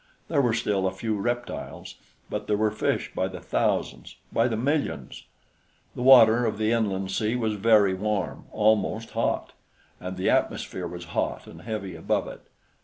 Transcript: There were still a few reptiles; but there were fish by the thousands, by the millions. The water of the inland sea was very warm, almost hot, and the atmosphere was hot and heavy above it.